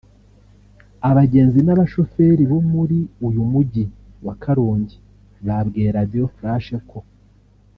Abagenzi n’abashoferi bo muri uyu Mujyi wa Karongi babwiye Radio Flash ko